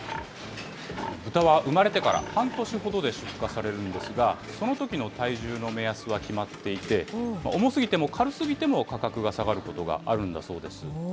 豚は生まれてから半年ほどで出荷されるんですが、そのときの体重の目安は決まっていて、重すぎても軽すぎても価格が下がることがあるんだそうです。